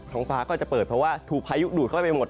งฟ้าก็จะเปิดเพราะว่าถูกพายุดูดเข้าไปหมด